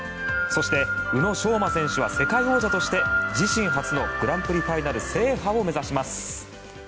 そして宇野昌磨選手は世界王者として自身初のグランプリファイナル制覇を目指します。